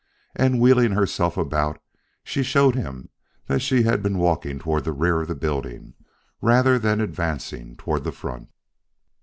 And wheeling herself about, she showed him that she had been walking toward the rear of the building rather than advancing toward the front.